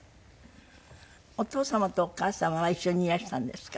お父様とお母様は一緒にいらしたんですか？